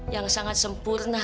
yang sangat sempurna